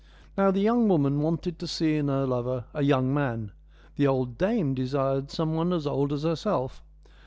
Now the young woman wanted to see in her lover a young man, the old dame desired some one as old as herself.